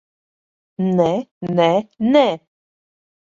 Nē, nē, nē!